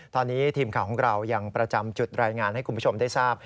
ตอนนี้ทีมข่าวของเรายังประจำจุดรายงานให้คุณผู้ชมได้ทราบ